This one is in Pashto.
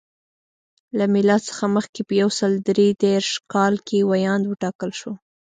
له میلاد څخه مخکې په یو سل درې دېرش کال کې ویاند وټاکل شو.